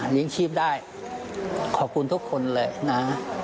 เลี้ยงชีพได้ขอบคุณทุกคนเลยนะ